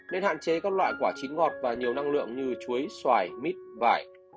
nên hạn chế các loại quả chín ngọt và nhiều năng lượng như chuối xoài mít vải